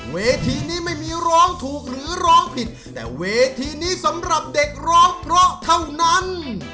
เวทีนี้ไม่มีร้องถูกหรือร้องผิดแต่เวทีนี้สำหรับเด็กร้องเพราะเท่านั้น